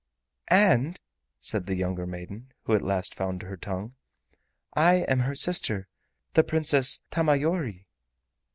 "And," said the younger maiden, who at last found her tongue, "I am her sister, the Princess Tamayori."